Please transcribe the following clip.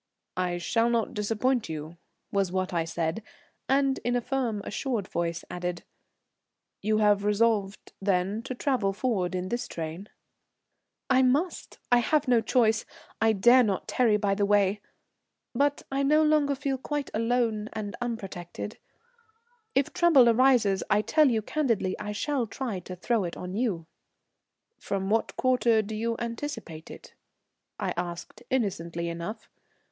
"I shall not disappoint you," was what I said, and, in a firm assured voice, added, "You have resolved then to travel forward in this train?" "I must, I have no choice. I dare not tarry by the way. But I no longer feel quite alone and unprotected. If trouble arises, I tell you candidly I shall try to throw it on you." "From what quarter do you anticipate it?" I asked innocently enough.